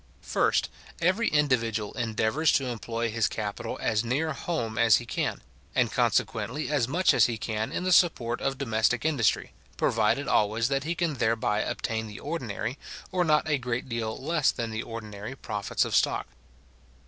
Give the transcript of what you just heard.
First, every individual endeavours to employ his capital as near home as he can, and consequently as much as he can in the support of domestic industry, provided always that he can thereby obtain the ordinary, or not a great deal less than the ordinary profits of stock.